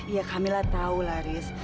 iya kamila tahu laris